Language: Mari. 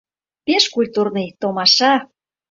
Пеш культурный, томаша.